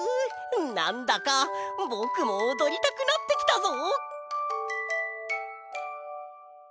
なんだかぼくもおどりたくなってきたぞ！